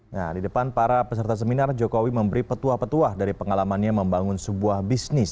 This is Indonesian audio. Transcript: nah di depan para peserta seminar jokowi memberi petuah petuah dari pengalamannya membangun sebuah bisnis